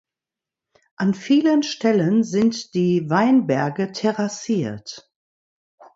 An vielen Stellen sind die Weinberge terrassiert.